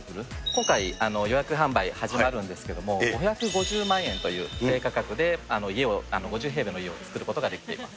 今回、予約販売始まるんですけど、５５０万円という低価格で家を、５０平米の家を造ることができてるんです。